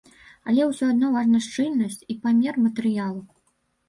Але ўсё адно важна шчыльнасць і памер матэрыялу.